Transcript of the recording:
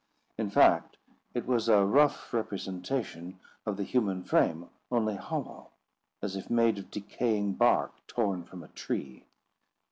In fact, it was a rough representation of the human frame, only hollow, as if made of decaying bark torn from a tree.